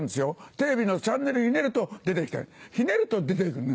テレビのチャンネルひねると出て来てひねると出て来るの。